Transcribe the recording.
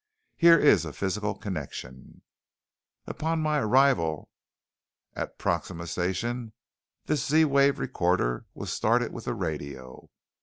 Here is a physical connection. "Upon my arrival at the Proxima Station, this Z wave recorder was started with the radio.